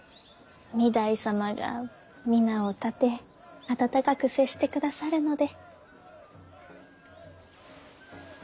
御台様が皆を立て温かく接して下さるので。